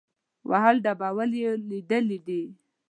وهل ډبول یې لیدلي دي.